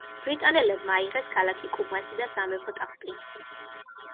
ბრიტანელებმა აიღეს ქალაქი კუმასი და სამეფო ტახტი.